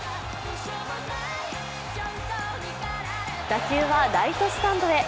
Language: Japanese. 打球はライトスタンドへ。